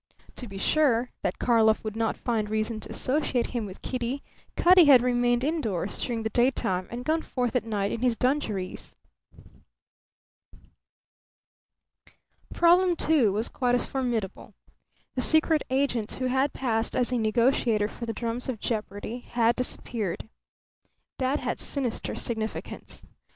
To be sure that Karlov would not find reason to associate him with Kitty, Cutty had remained indoors during the daytime and gone forth at night in his dungarees. Problem Two was quite as formidable. The secret agent who had passed as a negotiator for the drums of jeopardy had disappeared. That had sinister significance.